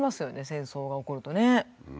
戦争が起こるとね。